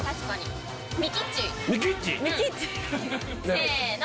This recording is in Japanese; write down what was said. せの。